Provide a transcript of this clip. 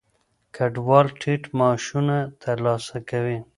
کډوال ټیټ معاشونه ترلاسه کوي.